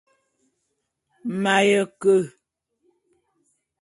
M'aye ke.